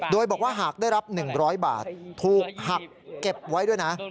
โดยบอกว่าหากได้รับ๑๐๐บาทถูกหักเก็บไว้ด้วยนะ